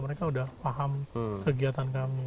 mereka udah paham kegiatan kami